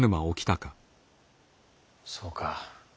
そうか。